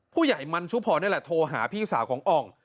ผู้ใหญ่มันชุพรนี่แหละโทรหาพี่สาวของอ่อง